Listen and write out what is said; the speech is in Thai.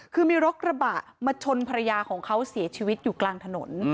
คือมีรถกระบะมาชนภรรยาของเขาเสียชีวิตอยู่กลางถนน